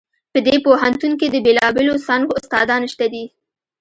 په دې پوهنتون کې د بیلابیلو څانګو استادان شته دي